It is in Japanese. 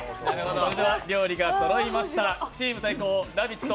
料理がそろいましたチーム大綱「ラヴィット！